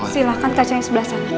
silahkan kacanya sebelah sana